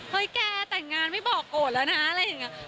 แกแต่งงานไม่บอกโกรธแล้วนะอะไรอย่างนี้